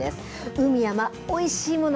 海、山、おいしいもの